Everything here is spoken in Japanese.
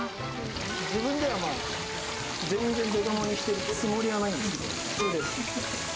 自分では全然デカ盛りにしてるつもりはないんですけど、普通です。